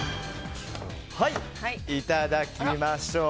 いただきましょう。